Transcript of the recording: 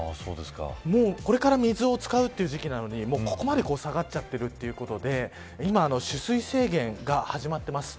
もうこれから水を使うという時期なのにここまで下がっちゃってるということで今、取水制限が始まっています。